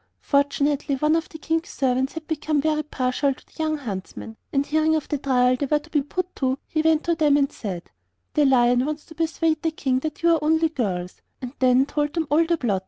Fortunately one of the King's servants had become very partial to the young huntsmen, and hearing of the trial they were to be put to, he went to them and said: 'The Lion wants to persuade the King that you are only girls'; and then told them all the plot.